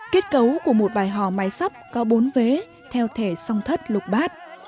kết cấu của một bài hò mái sắp có bốn vế theo thể song thất lục bát